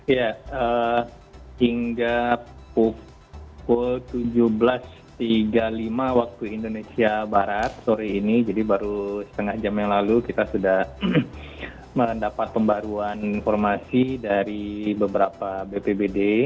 ya hingga pukul tujuh belas tiga puluh lima waktu indonesia barat sore ini jadi baru setengah jam yang lalu kita sudah mendapat pembaruan informasi dari beberapa bpbd